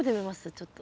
ちょっと。